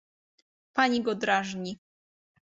Pani go drażni.